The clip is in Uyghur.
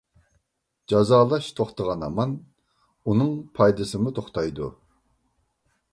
جازالاش توختىغان ھامان ئۇنىڭ پايدىسىمۇ توختايدۇ.